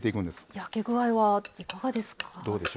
焼け具合はいかがですか？